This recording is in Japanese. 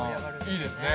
いいですね